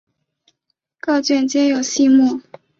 各卷皆有细目。